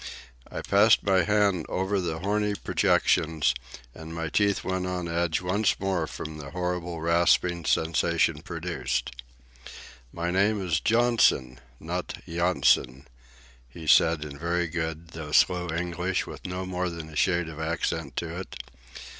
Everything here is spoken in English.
I passed my hand over the horny projections, and my teeth went on edge once more from the horrible rasping sensation produced. "My name is Johnson, not Yonson," he said, in very good, though slow, English, with no more than a shade of accent to it.